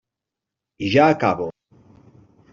I ja acabo.